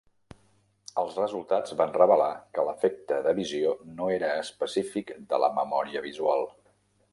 Els resultats van revelar que l'efecte de visió no era específic de la memòria visual.